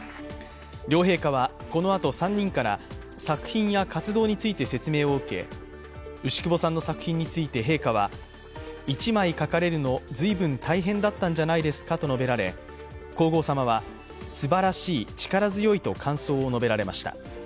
両陛下はこのあと３人から作品や活動について説明を受け牛窪さんの作品について陛下は、１枚書かれる随分大変だったんじゃないですかと述べられ皇后さまは、すばらしい、力強いと感想を述べられました。